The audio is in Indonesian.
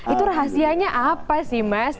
itu rahasianya apa sih mas